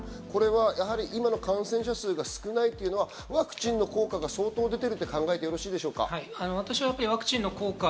今の感染者数で少ないというのはワクチンの効果が相当出てると考えてよろしいですか？